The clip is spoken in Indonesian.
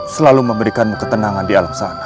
selalu memberikan ketenangan di alam sana